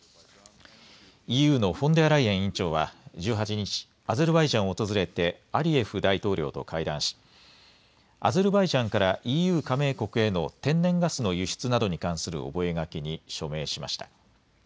ＥＵのフォンデアライエン委員長は１８日、アゼルバイジャンを訪れてアリエフ大統領と会談し、アゼルバイジャンからＥＵ加盟国への天然ガスの輸出などに関する覚書に署名しました。